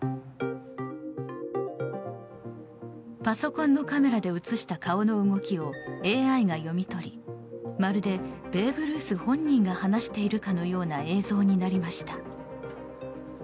パソコンのカメラで映した顔の動きを、ＡＩが読み取りまるでベーブ・ルース本人が話しているかのような映像になりました。